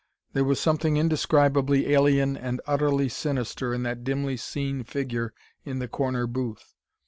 There was something indescribably alien and utterly sinister in that dimly seen figure in the corner booth.